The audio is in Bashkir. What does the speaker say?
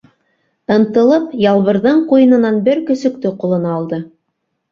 Ынтылып, Ялбырҙың ҡуйынынан бер көсөктө ҡулына алды.